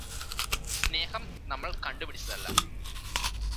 സ്നേഹം നമ്മള് കണ്ടുപിടിച്ചതല്ല